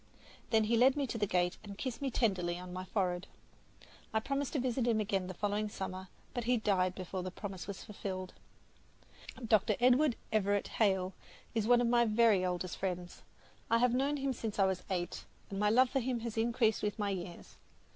Then he led me to the gate and kissed me tenderly on my forehead. I promised to visit him again the following summer, but he died before the promise was fulfilled. Dr. Edward Everett Hale is one of my very oldest friends. I have known him since I was eight, and my love for him has increased with my years.